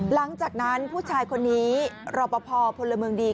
หลังจากนั้นผู้ชายคนนี้รอปภพลเมืองดี